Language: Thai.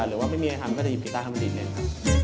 หรือว่าไม่มีอะไรทำก็จะหยิบกีตาร์ทำเป็นดินเลยครับ